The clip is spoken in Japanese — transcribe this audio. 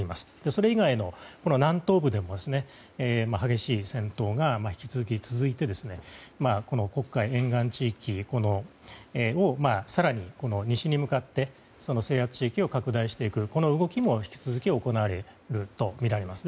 それ以外の南東部でも激しい戦闘が引き続き続いてこの黒海沿岸地域を更に西に向かって制圧地域を拡大していくこの動きも、引き続き行われるとみられます。